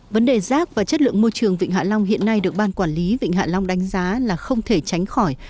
vấn đề rác và chất lượng môi trường vịnh hạ long hiện nay được ban quản lý vịnh hạ long đánh giá là không thể tránh khỏi